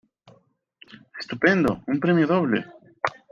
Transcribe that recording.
¡ Estupendo, un premio doble!